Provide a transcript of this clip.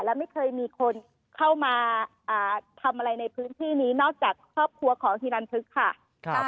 และไม่เคยมีคนเข้ามาทำอะไรในพื้นที่นี้นอกจากครอบครัวของฮิรันพึกค่ะ